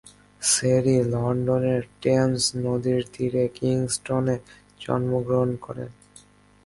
শেরি লন্ডনের টেমস নদীর তীরে কিংস্টনে জন্মগ্রহণ করেন।